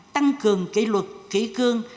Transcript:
tăng cường kỷ luật kỹ cương